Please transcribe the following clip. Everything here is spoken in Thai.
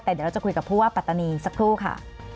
แต่เดี๋ยวเราจะคุยกับผู้ว่าปัตตานีสักครู่ค่ะ